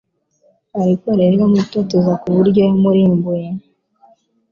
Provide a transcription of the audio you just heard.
Ariko rero iramutoteza ku buryo yamurimbuye